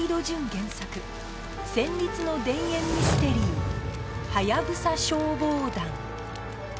原作戦慄の田園ミステリー『ハヤブサ消防団』